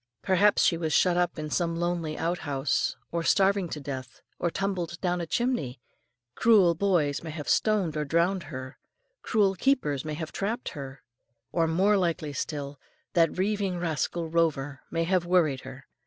Perhaps she was shut up in some lonely outhouse and starving to death; or tumbled down a chimney; cruel boys may have stoned her or drowned her; cruel keepers may have trapped her, or, more likely still, that rieving rascal Rover may have worried her.